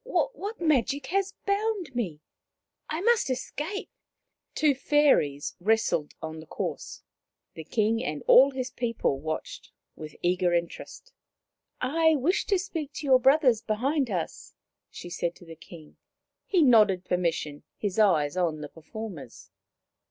" What magic has bound me ? I must escape." Two fairies wrestled on the course. The King and all his people watched with eager interest. " I wish to speak to your brothers behind us, M she said to the King. He nodded permission, his eyes on the performers.